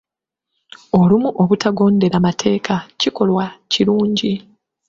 Olumu obutagondera mateeka kikolwa kirungi.